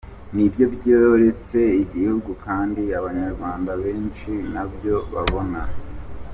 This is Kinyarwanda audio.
Nibyo byoretse igihugu kandi abanyarwanda benshi ntabyo babona.